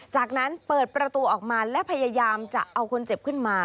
จากนั้นเปิดประตูออกมาและพยายามจะเอาคนเจ็บขึ้นมา